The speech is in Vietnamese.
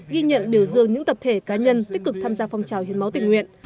ghi nhận biểu dương những tập thể cá nhân tích cực tham gia phong trào hiến máu tình nguyện